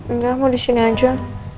engga mau disini aja